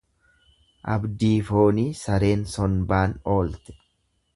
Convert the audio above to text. Abdii foonii sareen sonbaan oolte.